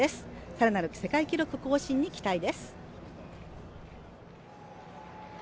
更なる世界記録更新に期待です。